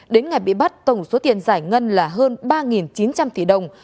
đến ngày bị bắt tổng số tiền giải ngân là hơn ba chín trăm linh tỷ đồng